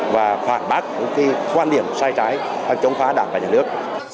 và phản bác những quan điểm sai trái chống phá đảng và nhà nước